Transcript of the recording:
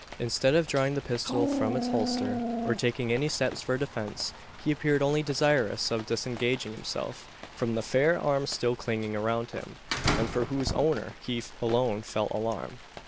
Instead of drawing the pistol from its holster, or taking any steps for defence, he appeared only desirous of disengaging himself from the fair arms still clinging around him, and for whose owner he alone felt alarm.